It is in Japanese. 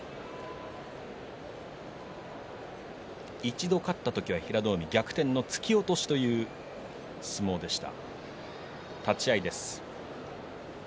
一度勝った時は平戸海は逆転の突き落としという相撲でした。